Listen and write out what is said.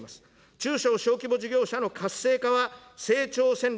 中小小規模事業者の活性化は、成長戦略